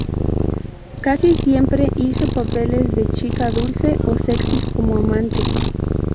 Casi siempre hizo papeles de chica dulce o sexys como amantes.